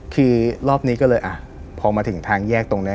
คือรอบนี้ก็เลยอ่ะพอมาถึงทางแยกตรงนี้